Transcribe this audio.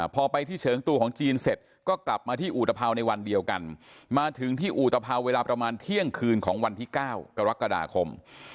พอไปที่เฉิงตัวของจีนเสร็จก็กลับมาที่อุตภาวในวันเดียวกันมาถึงที่อุตภาวเวลาประมาณเที่ยงคืนของวันที่๙กรกฎาคม